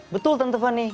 betul tante fanny